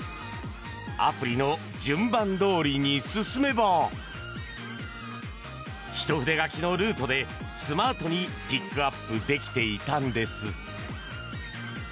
アプリの順番どおりに進めば一筆書きのルートでスマートにピックアップできていたんです。